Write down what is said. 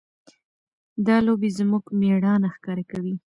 دا لوبې زموږ مېړانه ښکاره کوي.